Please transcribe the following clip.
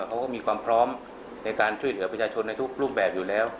เขาก็มีความพร้อมในการช่วยเหลือประชาชนในทุกรูปแบบอยู่แล้ว